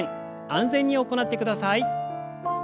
安全に行ってください。